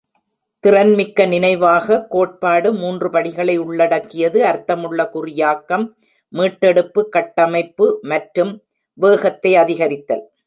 திறன்மிக்க நினைவக கோட்பாடு, மூன்று படிகளை உள்ளடக்கியது: அர்த்தமுள்ள குறியாக்கம், மீட்டெடுப்பு கட்டமைப்பு, மற்றும் வேகத்தை-அதிகரித்தல்.